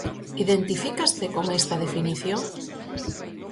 Identifícaste con esta definición?